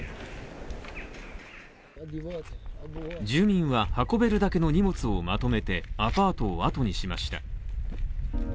住民は運べるだけの荷物をまとめてアパートをあとにしました。